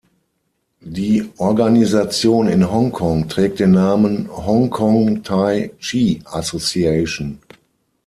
Die Organisation in Hongkong trägt den Namen „Hong Kong Tai Chi Association“.